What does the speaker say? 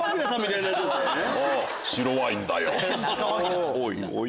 白ワインだよぉ。